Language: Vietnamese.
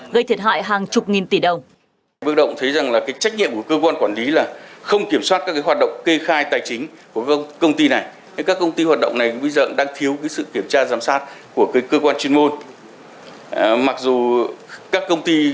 gây thiệt hại hàng chục nghìn tỷ đồng